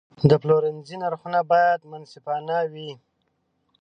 د پلورنځي نرخونه باید منصفانه وي.